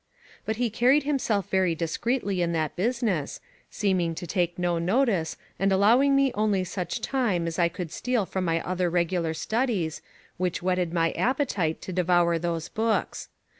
But he carried himself very discreetly in that business, seeming to take no notice, and allowing me only such time as I could steal from my other regular studies, which whetted my appetite to devour those books.